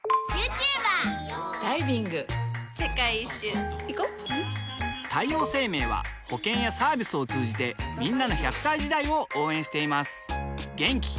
女性 ２） 世界一周いこ太陽生命は保険やサービスを通じてんなの１００歳時代を応援しています